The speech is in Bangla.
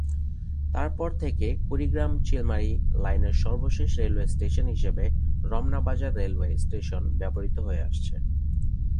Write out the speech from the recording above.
তার পর থেকে কুড়িগ্রাম-চিলমারী লাইনের সর্বশেষ রেলওয়ে স্টেশন হিসেবে রমনা বাজার রেলওয়ে স্টেশন ব্যবহৃত হয়ে আসছে।